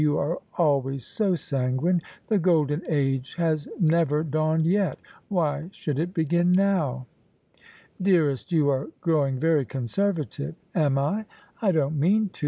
"You are always so sanguine. The golden age has never dawned yet: why should it begin now ?" Ui] THE SUBJECTION " Dearest, you are growing very 0)nservative." " Am I ? I don't mean to.